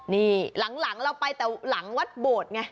นี่หลังเราไปแต่หลังวัดโบสถ์ไง